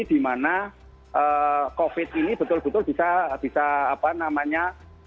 di mana covid sembilan belas ini betul betul bisa dikonsumsi